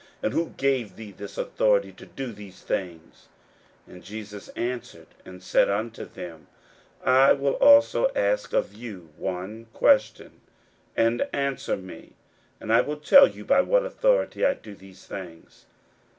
and who gave thee this authority to do these things? 41:011:029 And Jesus answered and said unto them, I will also ask of you one question, and answer me, and I will tell you by what authority I do these things.